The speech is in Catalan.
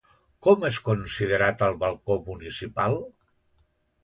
Com és considerat el balcó municipal?